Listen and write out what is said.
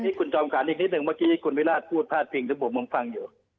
นี่คุณจอมการอีกนิดนึงเมื่อกี้คุณวิราชพูดพลาดจริงแต่ผมมองฟังอยู่